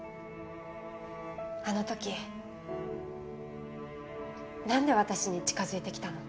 あの時なんで私に近づいてきたの？